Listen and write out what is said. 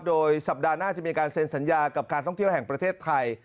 โดยสัปดาห์หน้าจะมีการเซ็นสัญญากับการท่องเที่ยวแห่งประเทศไทย